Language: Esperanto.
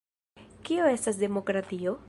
Kio estas demokratio?